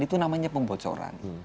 itu namanya pembocoran